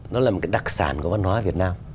nó là một cái đặc sản của văn hóa việt nam